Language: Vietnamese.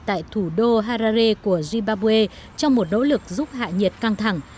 tại thủ đô hara của zimbabwe trong một nỗ lực giúp hạ nhiệt căng thẳng